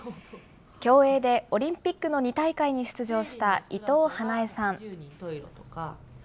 競泳でオリンピックの２大会に出場した伊藤華英さん。